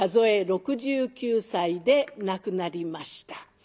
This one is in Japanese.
え６９歳で亡くなりました。